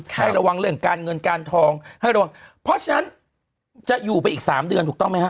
ให้ระวังเรื่องการเงินการทองให้ระวังเพราะฉะนั้นจะอยู่ไปอีกสามเดือนถูกต้องไหมฮ